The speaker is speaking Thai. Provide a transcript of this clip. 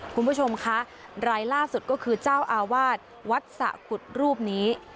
คุณผู้ชมคะรายล่าสุดก็คือเจ้าอาวาสวัดสะขุดรูปนี้